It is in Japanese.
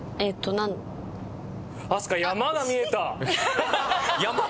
飛鳥山が見えた！